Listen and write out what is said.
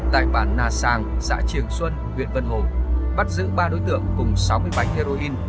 tại bản na sàng xã triềng xuân huyện vân hồ bắt giữ ba đối tượng cùng sáu mươi bánh heroin